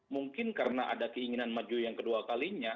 mungkin karena ada keinginan maju yang kedua kalinya